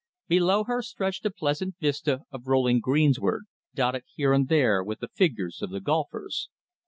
Below her stretched a pleasant vista of rolling greensward, dotted here and there with the figures of the golfers.